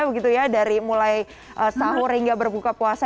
begitu ya dari mulai sahur hingga berbuka puasa